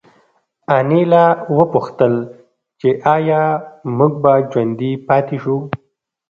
انیلا وپوښتل چې ایا موږ به ژوندي پاتې شو